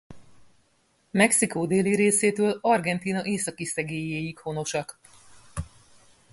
Mexikó déli részétől Argentína északi szegélyéig honosak.